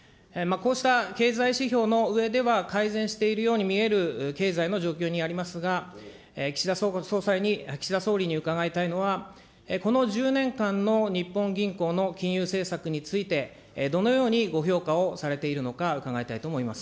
こうした経済指標のうえでは改善しているように見える経済の状況にありますが、岸田総理に伺いたいのは、この１０年間の日本銀行の金融政策について、どのようにご評価をされているのか伺いたいと思います。